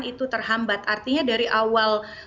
itu terhambat artinya dari awal